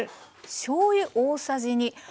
しょうゆ大さじ２。